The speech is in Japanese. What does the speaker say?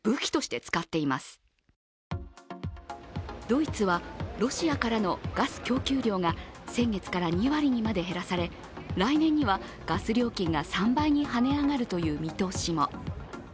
ドイツは、ロシアからのガス供給量が先月から２割にまで減らされ、来年にはガス料金が３倍に跳ね上がるという見通しも。